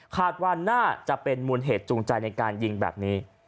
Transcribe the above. คาดว่าน่าจะเป็นมูลเหตุจูงใจในการยิงแบบนี้